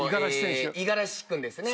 五十嵐君ですね。